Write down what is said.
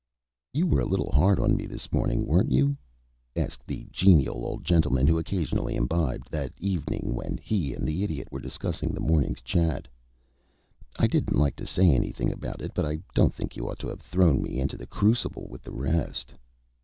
"You were a little hard on me this morning, weren't you?" asked the genial old gentleman who occasionally imbibed, that evening, when he and the Idiot were discussing the morning's chat. "I didn't like to say anything about it, but I don't think you ought to have thrown me into the crucible with the rest."